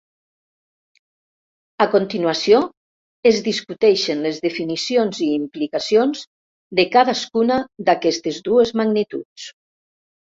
A continuació, es discuteixen les definicions i implicacions de cadascuna d'aquestes dues magnituds.